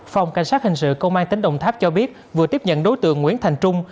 phòng cảnh sát hình sự công an tỉnh đồng tháp cho biết vừa tiếp nhận đối tượng nguyễn thành trung